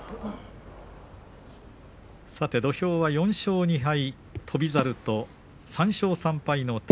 さて土俵は４勝２敗翔猿と３勝３敗の宝